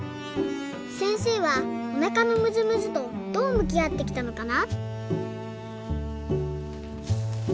せんせいはおなかのむずむずとどうむきあってきたのかな？